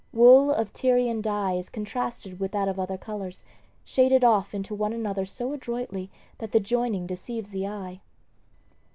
Wool of Tyrian dye is contrasted with that of other colors, shaded off into one another so adroitly that the joining deceives the eye.